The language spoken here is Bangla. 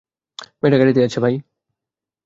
মেয়েটা গাড়িতেই আছে, ভাই।